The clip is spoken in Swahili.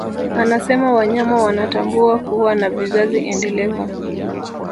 Anasema wanyama wanatambua kuwa na vizazi endelevu